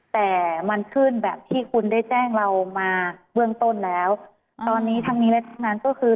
แต่มันขึ้นแบบที่คุณได้แจ้งเรามาเบื้องต้นแล้วตอนนี้ทั้งนี้และทั้งนั้นก็คือ